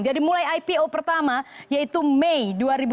dari mulai ipo pertama yaitu mei dua ribu dua puluh